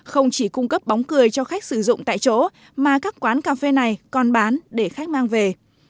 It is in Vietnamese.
không chỉ cung cấp bóng cười cho khách sử dụng tại chỗ mà các quán cà phê này còn bán để khách mang về